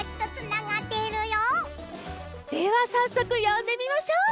さっそくよんでみましょう。